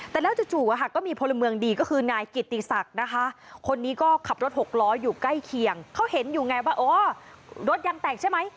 แต่แล้วจู่ก็มีพลเมืองดีก็คือนายกิติศักดิ์นะคะคนนี้ก็ขับรถหกล้ออยู่ใกล้เคียงเขาเห็นอยู่ไงว่าอ๋อรถยังแตกใช่ไหม